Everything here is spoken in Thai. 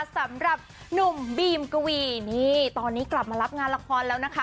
สำหรับหนุ่มบีมกวีนี่ตอนนี้กลับมารับงานละครแล้วนะคะ